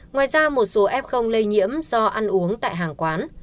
ngoài ra một số f lây nhiễm do ăn uống tại hàng quán